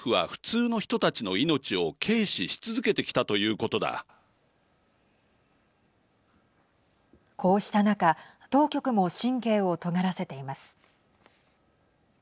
こうした中当局も神経をとがらせています。